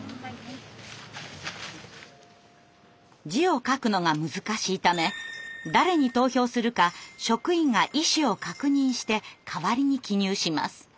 字を書くのが難しいため誰に投票するか職員が意思を確認して代わりに記入します。